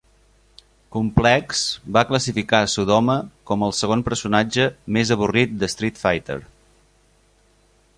"Complex" va classificar Sodoma com el segon personatge "més avorrit de Street Fighter".